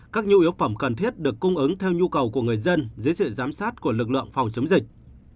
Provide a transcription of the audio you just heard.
các nhu yếu phẩm cần thiết được cung ứng theo nhu cầu của người dân dưới sự giám sát của lực lượng phòng chống dịch